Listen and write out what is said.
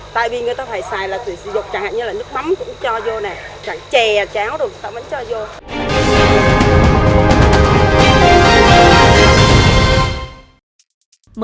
tại vì người ta phải xài là tùy sử dụng chẳng hạn như là nước mắm cũng cho vô nè chả chè cháo đồ người ta vẫn cho vô